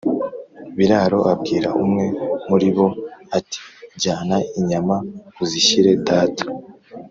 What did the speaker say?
Biraro abwira umwe muri bo ati: "Jyana inyama uzishyire data,